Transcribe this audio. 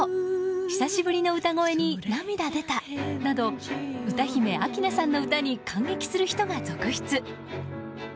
久しぶりの歌声に涙出たなど歌姫・明菜さんの歌に感激する人が続出。